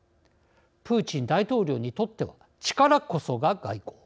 プーチン大統領にとっては力こそが外交。